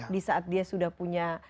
di saat dia sudah punya